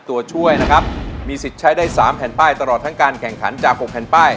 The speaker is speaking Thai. ตัวช่วยนะครับมีสิทธิ์ใช้ได้๓แผ่นป้ายตลอดทั้งการแข่งขันจาก๖แผ่นป้าย